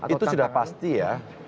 itu sudah pasti ya